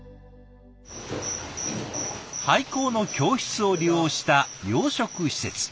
廃校の教室を利用した養殖施設。